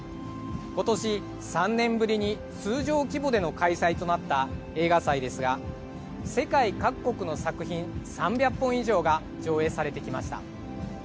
今年、３年ぶりに通常規模での開催となった映画祭ですが、世界各国の作品３００本以上が上映されてきました。